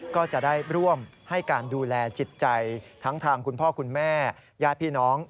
ก็จะได้ร่วมให้การดูแลจิตใจทั้งทางคุณพ่อคุณแม่ญาติพี่น้อง